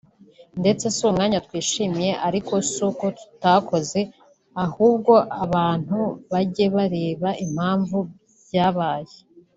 ndetse si umwanya twishimiye ariko si uko tutakoze ahubwo abantu bajye bareba impamvu byabaye”